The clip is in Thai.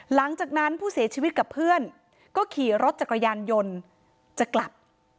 หลังจากนั้นผู้เสียชีวิตกับเพื่อนก็ขี่รถจักรยานยนต์จะกลับ